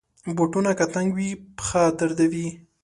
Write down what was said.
بوټونه که تنګ وي، پښه دردوي.